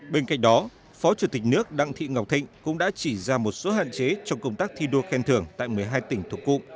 bên cạnh đó phó chủ tịch nước đặng thị ngọc thịnh cũng đã chỉ ra một số hạn chế trong công tác thi đua khen thưởng tại một mươi hai tỉnh thuộc cụm